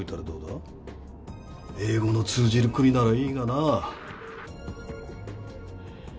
英語の通じる国ならいいがな。